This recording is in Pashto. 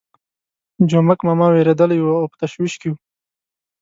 جومک ماما وېرېدلی وو او په تشویش کې وو.